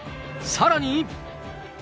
さらに。